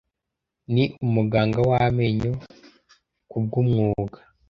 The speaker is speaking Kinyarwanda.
Ni umuganga w amenyo kubwumwuga.